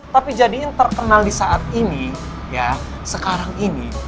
tapi jadiin terkenal disaat ini ya sekarang ini